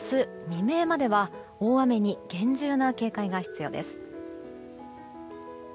未明までは大雨に厳重な警戒が必要です。